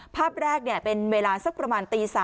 ภาพแรกเป็นเวลาสักประมาณตี๓